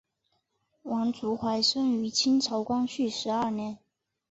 王竹怀生于清朝光绪十二年。